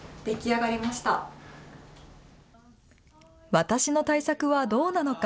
私の対策はどうなのか。